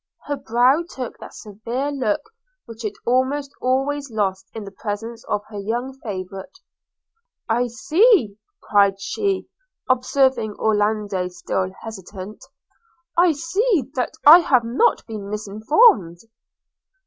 Her brow took that severe look which it almost always lost in the presence of her young favourite – 'I see,' cried she, observing Orlando still hesitate – 'I see that I have not been misinformed.'